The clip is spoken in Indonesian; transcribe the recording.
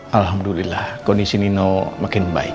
alhamdulillah kondisi nino makin baik